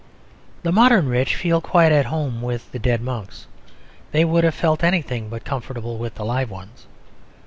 The modern rich feel quite at home with the dead monks. They would have felt anything but comfortable with the live ones.